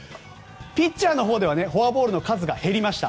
ピッチャーのほうではフォアボールの数が減りました。